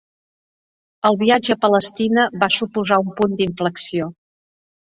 El viatge a Palestina va suposar un punt d'inflexió.